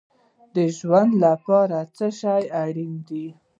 د ژوند لپاره څه شی اړین دی؟